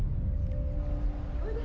おいで！